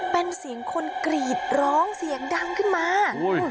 เป็นเสียงคนกรีดร้องเสียงดังขึ้นมา